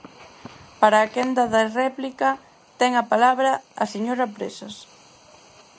Para a quenda de réplica, ten a palabra a señora Presas.